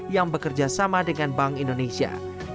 yang bekerja sama dengan bank indonesia